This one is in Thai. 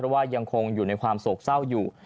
ว่ายังคงอยู่ในความโศกเศร้าอยู่